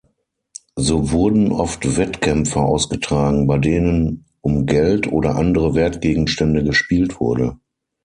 So wurden oft Wettkämpfe ausgetragen, bei denen um Geld oder andere Wertgegenstände gespielt wurde.